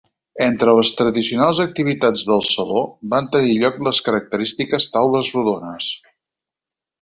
Entre les tradicionals activitats del Saló, van tenir lloc les característiques taules rodones.